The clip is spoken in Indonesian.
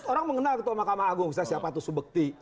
orang mengenal ketua makam agung siapa itu subakti